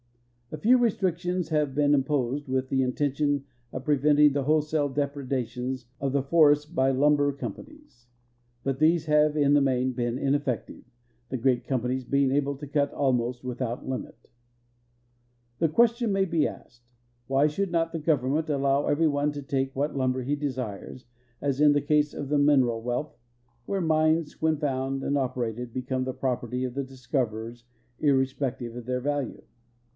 A few restrictions have been im))Osed with the intention of preventing the wholesale depredations of the forests by lumber companies, but these have in the main been ineffective, the great companies being able to cut almost without limit. The question may be asked, Why should not the government allow every one to take what lumber he desires, as in the case of the mineral wealth, where mines, when found and operated, be come the property of the discoverers, irrespective of their value?